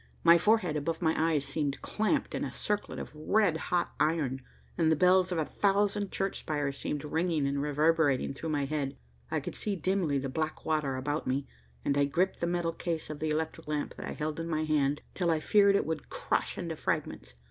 My forehead above my eyes seemed clamped in a circlet of red hot iron, and the bells of a thousand church spires seemed ringing and reverberating through my head. I could see dimly the black water about me, and I gripped the metal case of the electric lamp that I held in my hand, till I feared it would crush into fragments.